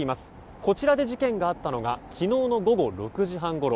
こちらで事件があったのが昨日の午後６時半ごろ。